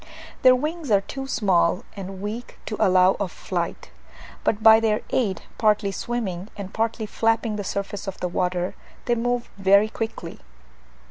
Their wings are too small and weak to allow of flight, but by their aid, partly swimming and partly flapping the surface of the water, they move very quickly.